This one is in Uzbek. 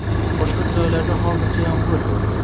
Boshqa joylarda hozircha yomgʻir.